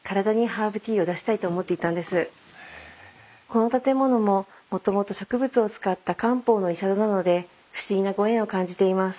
この建物ももともと植物を使った漢方の医者殿なので不思議なご縁を感じています。